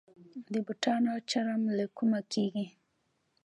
د بوټانو چرم له کومه کیږي؟